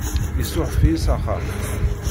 Isuɛef-iyi s axxam.